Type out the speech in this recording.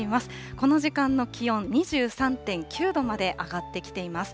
この時間の気温２３．９度まで上がってきています。